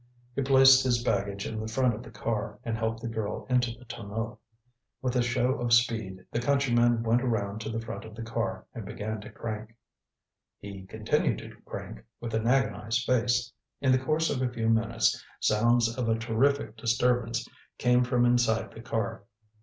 He placed his baggage in the front of the car, and helped the girl into the tonneau. With a show of speed, the countryman went around to the front of the car and began to crank. He continued to crank with agonized face. In the course of a few minutes, sounds of a terrific disturbance came from inside the car.